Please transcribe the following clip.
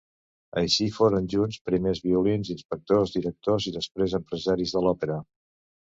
Així foren junts primers violins, inspectors, directors i després empresaris de l'Òpera.